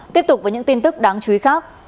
tiếp tục với những tin tức đáng chú ý khác